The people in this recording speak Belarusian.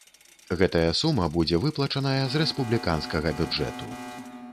Гэтая сума будзе выплачаная з рэспубліканскага бюджэту.